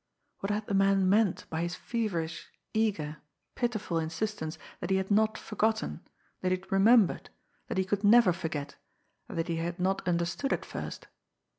What had the man meant by his feverish, eager, pitiful insistence that he had not forgotten, that he had remembered, that he could never forget, and that he had not understood at first?